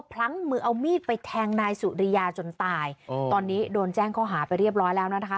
พลั้งมือเอามีดไปแทงนายสุริยาจนตายอืมตอนนี้โดนแจ้งข้อหาไปเรียบร้อยแล้วนะคะ